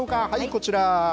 こちら。